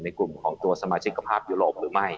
กลุ่มของตัวสมาชิกภาพยุโรปหรือไม่